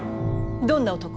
どんな男。